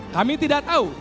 kami tidak tahu